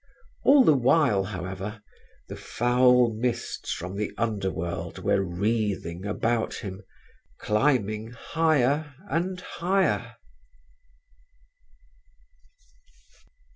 All the while, however, the foul mists from the underworld were wreathing about him, climbing higher and higher.